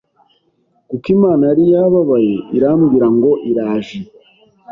kuko Imana yari yababaye irambwira ngo iraje